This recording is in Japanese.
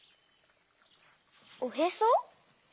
おへそ？